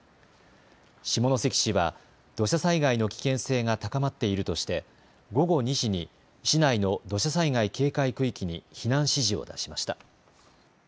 下関市は土砂災害の危険性が高まっているとして午後２時に市内の土砂災害警戒区域に避難指示を出しました。